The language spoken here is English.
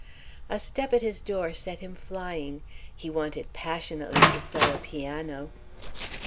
A step at his door set him flying. He wanted passionately to sell a piano.